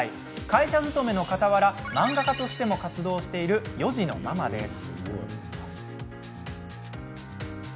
会社勤めのかたわら漫画家としても活動している４児のママです。